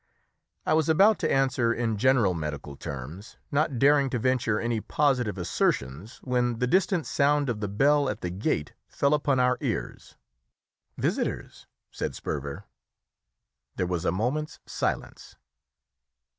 I was about to answer in general medical terms, not daring to venture any positive assertions, when the distant sound of the bell at the gate fell upon our ears. "Visitors," said Sperver. There was a moment's silence.